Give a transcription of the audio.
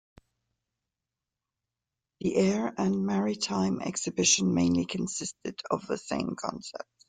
The air and maritime exhibition mainly consisted of the same concepts.